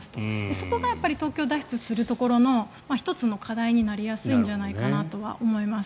そこが東京脱出するところの１つの課題になりやすいんじゃないかなと思います。